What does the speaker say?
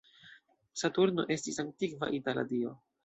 Saturno estis antikva itala dio.